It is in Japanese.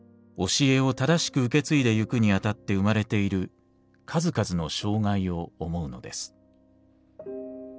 教えを正しく受け継いでゆくにあたって生まれている数々の障害を思うのです。